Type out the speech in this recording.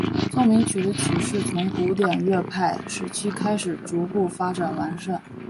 奏鸣曲的曲式从古典乐派时期开始逐步发展完善。